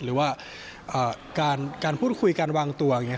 หรือการพูดคุยวางตัว